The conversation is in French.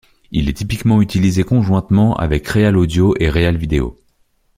Il est typiquement utilisé conjointement avec RealAudio et RealVideo.